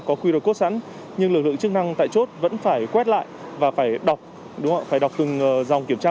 có qr code sẵn nhưng lực lượng chức năng tại chốt vẫn phải quét lại và phải đọc từng dòng kiểm tra